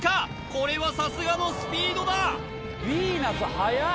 これはさすがのスピードだ